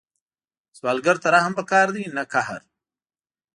سوالګر ته رحم پکار دی، نه قهر